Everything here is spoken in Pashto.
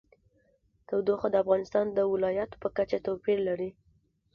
تودوخه د افغانستان د ولایاتو په کچه توپیر لري.